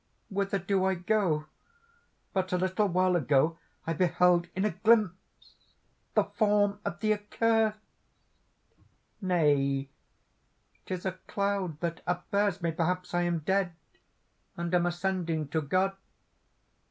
"Whither do I go? But a little while ago I beheld in a glimpse the form of the Accurst. Nay! 'tis a cloud that upbears me! Perhaps I am dead, and am ascending to God....